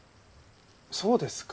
そうですか。